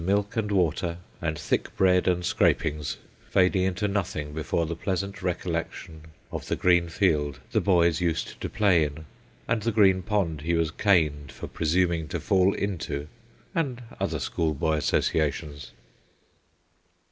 39 milk and water, and thick bread and scrapings, fading into nothing before the pleasant recollection of the green field the boys used to play in, and the green pond he was caned for presuming to fall into, and other schoolboy associations.